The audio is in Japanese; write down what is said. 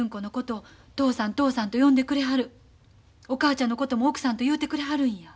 お母ちゃんのことも奥さんと言うてくれはるんや。